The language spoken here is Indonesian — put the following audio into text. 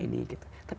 ini kita lakukan